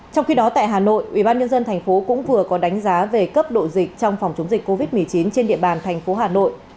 trong khi đó tại hà nội ubnd tp cũng vừa có đánh giá về cấp độ dịch trong phòng chống dịch covid một mươi chín trên địa bàn thành phố hà nội